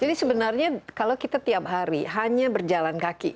jadi sebenarnya kalau kita tiap hari hanya berjalan kaki